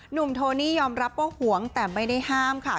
โทนี่ยอมรับว่าหวงแต่ไม่ได้ห้ามค่ะ